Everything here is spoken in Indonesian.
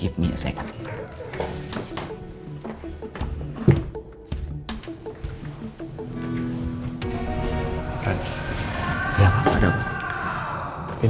ini meetingnya masih lama ren